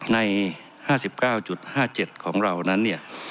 ใน๕๙๕๗ของเรานั้น